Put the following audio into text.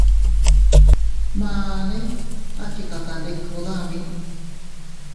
Mane a chikakandiku dami.